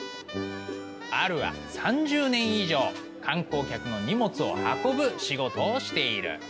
アルは３０年以上観光客の荷物を運ぶ仕事をしている。